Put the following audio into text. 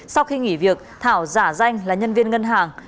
sau khi nghỉ việc thảo giả danh là nhân viên ngân hàng